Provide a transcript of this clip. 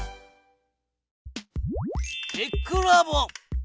テックラボ。